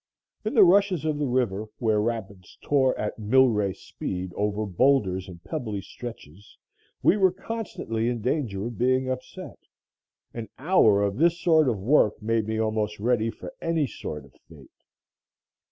In the rushes of the river, where rapids tore at mill race speed over boulders and pebbly stretches, we were constantly in danger of being upset. An hour of this sort of work made me almost ready for any sort of fate.